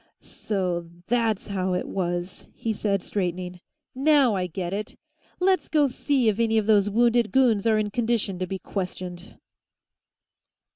"So that's how it was!" he said, straightening. "Now I get it! Let's go see if any of those wounded goons are in condition to be questioned."